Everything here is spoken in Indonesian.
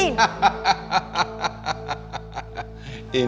ini ibu bikin